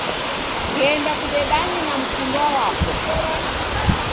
Ghenda kudedanye na mkundwa wako.